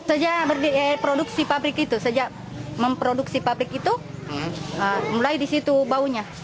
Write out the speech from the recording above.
sejak produksi pabrik itu mulai di situ baunya